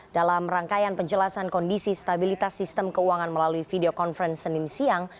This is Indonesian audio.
dalam rangkaian penjelasan kondisi stabilitas sistem keuangan melalui video conference senin siang